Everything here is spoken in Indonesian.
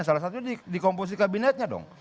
salah satu dikomposi kabinetnya dong